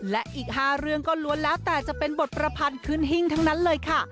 และอีก๕เรื่องก็ล้วนแล้วแต่จะเป็นบทประพันธ์ขึ้นหิ้งทั้งนั้นเลยค่ะ